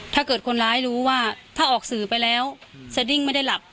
ถ้าเกิดคนร้ายรู้ว่าถ้าออกสื่อไปแล้วสดิ้งไม่ได้หลับ